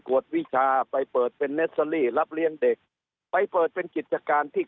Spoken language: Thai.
วดวิชาไปเปิดเป็นเนสเตอรี่รับเลี้ยงเด็กไปเปิดเป็นกิจการที่